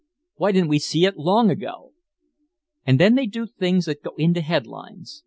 Why didn't we see it long ago?' And then they do things that go into headlines!